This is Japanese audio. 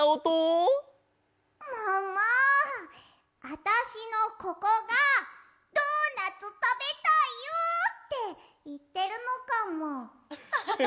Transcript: あたしのここが「ドーナツたべたいよ」っていってるのかも。